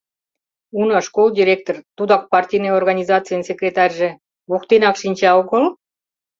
Уна, школ директор, тудак партийный организацийын секретарьже, воктенак шинча огыл?